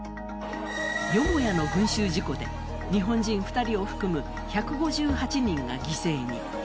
よもやの群集事故で日本人２人を含む１５８人が犠牲に。